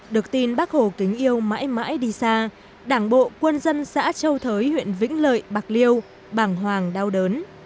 được tin bác hồ kính yêu mãi mãi đi xa đảng bộ quân dân xã châu thới huyện vĩnh lợi bạc liêu bàng hoàng đau đớn